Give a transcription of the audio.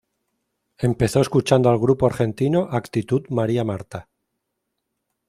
Empezó escuchando al grupo argentino Actitud María Marta.